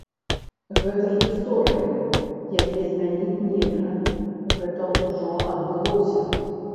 Гэта ж гісторыя, яе змяніць нельга, гэта ўжо адбылося!